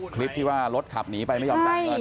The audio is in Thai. คลิปที่ว่ารถขับหนีไปไม่ยอมจ่ายเงิน